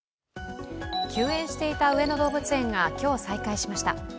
休園していた上野動物園が今日、再開しました。